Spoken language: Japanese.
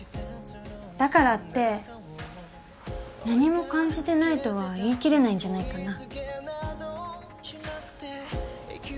だからって何も感じてないとは言い切れないんじゃないかな。